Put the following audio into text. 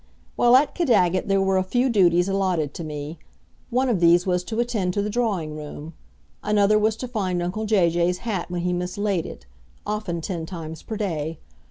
While at Caddagat there were a few duties allotted to me. One of these was to attend to the drawing room; another was to find uncle Jay Jay's hat when he mislaid it often ten times per day.